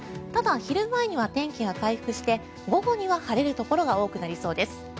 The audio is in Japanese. ただ、昼前には天気が回復して午後には晴れるところが多くなりそうです。